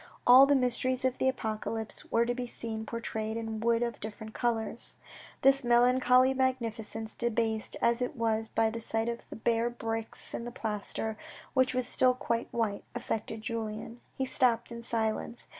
All the mysteries of the Apocalypse were to be seen portrayed in wood of different colours. This melancholy magnificence, debased as it was by the sight of the bare bricks and the plaster (which was still quite white) affected Julien. He stopped in silence.